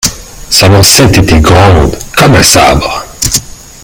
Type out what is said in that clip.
Sa lancette était grande comme un sabre.